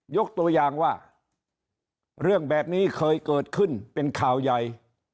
ยกตัวอย่างว่าเรื่องแบบนี้เคยเกิดขึ้นเป็นข่าวใหญ่